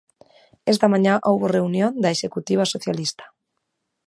Esta mañá houbo reunión da executiva socialista.